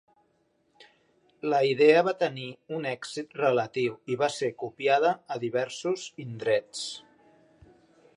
La idea va tenir un èxit relatiu i va ser copiada a diversos indrets.